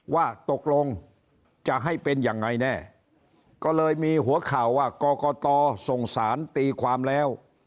ว่าตกลงจะให้เป็นยังไงแน่ก็เลยมีหัวข่าวว่ากรกตส่งสารตีความแล้ว